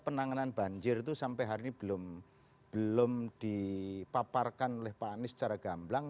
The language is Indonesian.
penanganan banjir itu sampai hari ini belum dipaparkan oleh pak anies secara gamblang